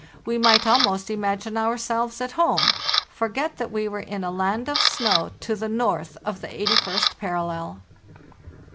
We might almost imagine ourselves at home — forget that we were in a land of snow to the north of the eighty first parallel.